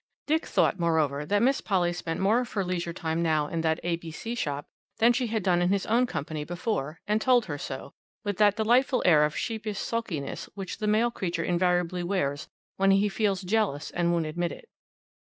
Dick thought, moreover, that Miss Polly spent more of her leisure time now in that A.B.C. shop than she had done in his own company before, and told her so, with that delightful air of sheepish sulkiness which the male creature invariably wears when he feels jealous and won't admit it.